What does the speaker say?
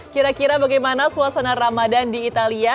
kira kira bagaimana suasana ramadan di italia